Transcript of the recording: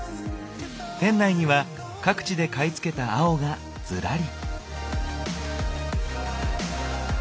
店内には各地で買い付けた青がずらり。